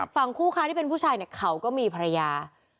ฝั่งคู่ค้าที่เป็นผู้ชายเนี่ยเขาก็มีภรรยา